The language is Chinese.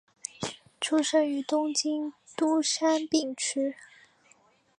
出身于东京都杉并区。